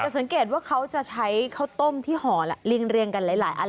สังเกตว่าเขาจะใช้ข้าวต้มที่ห่อละเรียงกันหลายอัน